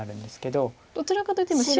どちらかというと。